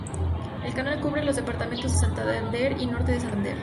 El canal cubre los departamentos de Santander y Norte de Santander.